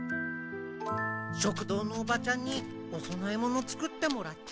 食堂のおばちゃんにおそなえ物作ってもらって。